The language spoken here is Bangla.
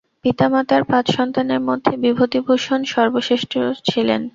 পিতামাতার পাঁচ সন্তানের মধ্যে বিভূতিভূষণ সর্বজ্যেষ্ঠ ছিলেন।